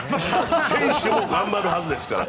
選手も頑張るはずですから。